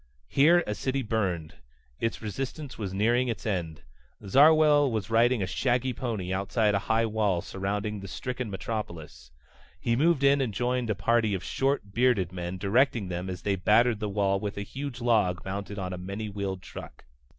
Here a city burned. Its resistance was nearing its end. Zarwell was riding a shaggy pony outside a high wall surrounding the stricken metropolis. He moved in and joined a party of short, bearded men, directing them as they battered at the wall with a huge log mounted on a many wheeled truck.